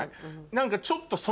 何かちょっと。